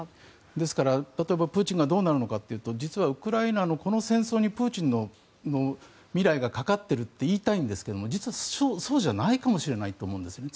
ですから、例えばプーチンがどうなるのかというと実はウクライナのこの戦争にプーチンの未来がかかっているといいたいんですけど実はそうじゃないかもしれないと思うんですね。